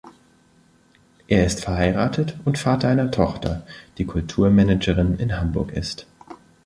Er ist verheiratet und Vater einer Tochter, die Kulturmanagerin in Hamburg ist.